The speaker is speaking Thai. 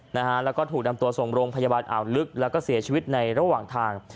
นะฮะแล้วก็ถูกนำตัวส่งโรงพยาบาลอ่าวลึกแล้วก็เสียชีวิตในระหว่างทาง